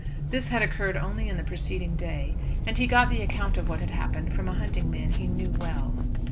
This had occurred only on the preceding day; and he got the account of what had happened from a hunting man he knew well.